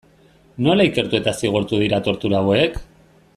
Nola ikertu eta zigortu dira tortura hauek?